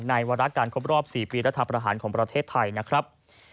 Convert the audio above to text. วาระการครบรอบ๔ปีรัฐประหารของประเทศไทยนะครับ